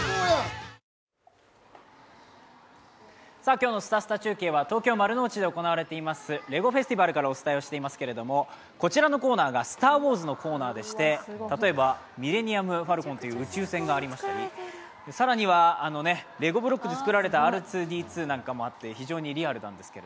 今日の「すたすた中継」は東京・丸の内で行われています、レゴフェスティバルからお伝えしていますけれどもこちらのコーナーが「スター・ウォーズ」のコーナーでして例えば、ミレニアム・ファルコンという宇宙船がありましたり更にはレゴブロックで作られたＲ２−Ｄ２なんかもあって非常にリアルなんですよ。